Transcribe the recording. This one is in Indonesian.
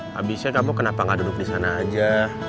habisnya kamu kenapa gak duduk disana aja